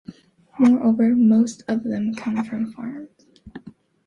Moreover most of them come from farms.